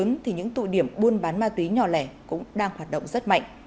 với ma túy lớn thì những tụ điểm buôn bán ma túy nhỏ lẻ cũng đang hoạt động rất mạnh